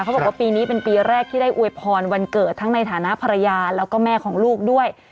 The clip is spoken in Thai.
บอกว่าปีนี้เป็นปีแรกที่ได้อวยพรวันเกิดทั้งในฐานะภรรยาแล้วก็แม่ของลูกด้วย